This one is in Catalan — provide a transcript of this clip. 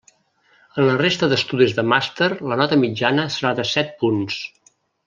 En la resta d'estudis de màster la nota mitjana serà de set punts.